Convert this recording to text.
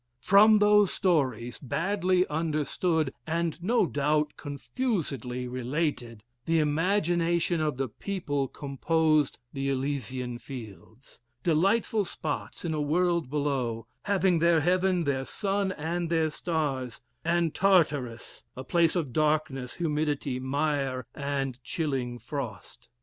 From those stories, badly understood, and no doubt confusedly related, the imagination of the people composed the Elysian Fields, delightful spots in a world below, having their heaven, their sun, and their stars; and Tartarus, a place of darkness, humidity, mire, and chilling frost.